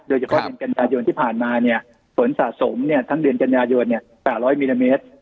โดยเฉพาะเดือนกัญญาโยนที่ผ่านมาเนี่ยฝนสะสมเนี่ยทั้งเดือนกัญญาโยนเนี่ย๘๐๐มิลลิเมตร